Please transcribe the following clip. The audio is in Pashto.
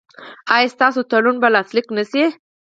ایا ستاسو تړون به لاسلیک نه شي؟